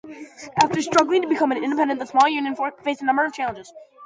After struggling to become an independent the small union faced a number of challenges.